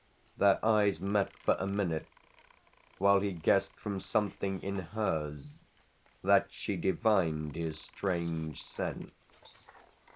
Their eyes met for a minute while he guessed from something in hers that she divined his strange sense.